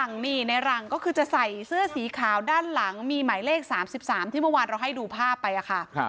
หลังนี่ในหลังก็คือจะใส่เสื้อสีขาวด้านหลังมีหมายเลข๓๓ที่เมื่อวานเราให้ดูภาพไปค่ะ